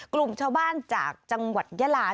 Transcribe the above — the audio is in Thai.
กลุ่มชาวบ้านจากจังหวัดยาลา